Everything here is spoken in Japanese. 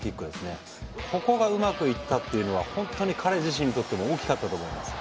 ここがうまくいったっていうのは本当に彼自身にとっても大きかったと思います。